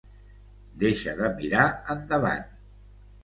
Deixa de mirar endavant.